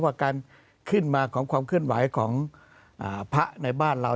ว่าการขึ้นมาของความเคลื่อนไหวของพระในบ้านเรา